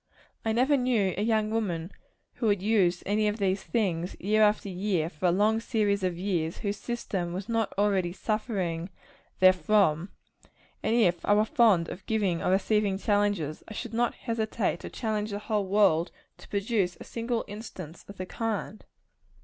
I never knew a young woman who had used any of these things, year after year, for a long series of years, whose system was not already suffering therefrom; and if I were fond of giving or receiving challenges, I should not hesitate to challenge the whole world to produce a single instance of the kind.